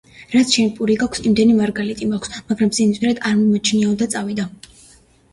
რაც შენ პური გაქვს, იმდენი მარგალიტი მაქვს, მაგრამ სიმდიდრედ არ მიმაჩნიაო, და წავიდა.